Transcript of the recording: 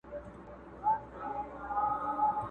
دښت مو زرغون کلی سمسور وو اوس به وي او کنه!.